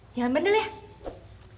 jangan berdiri ya